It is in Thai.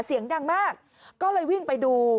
เสียงดังมากก็เลยวิ่งไปดู